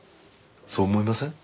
そう思いません？